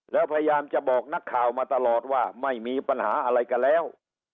แล้วพยายามจะบอกนักข่าวมาตลอดว่าไม่มีปัญหาอะไรกันแล้ว